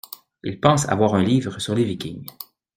Il pense avoir un livre sur les Vikings.